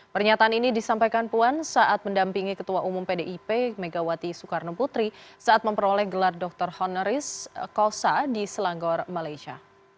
pernyataan ini disampaikan puan saat mendampingi ketua umum pdip megawati soekarno putri saat memperoleh gelar dr honoris kosa di selangor malaysia